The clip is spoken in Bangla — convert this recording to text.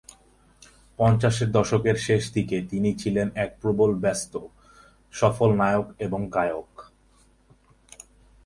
পঞ্চাশের দশকের শেষ দিকে তিনি ছিলেন এক প্রবল ব্যস্ত, সফল নায়ক এবং গায়ক।